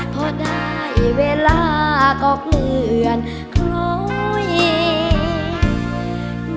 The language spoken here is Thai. พอได้เวลาก็เกลื่อนโครงเย็น